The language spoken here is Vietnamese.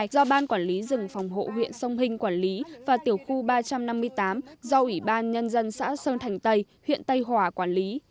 do ban quản lý rừng phòng hộ huyện sông hinh quản lý và tiểu khu ba trăm năm mươi tám do ủy ban nhân dân xã sơn thành tây huyện tây hòa quản lý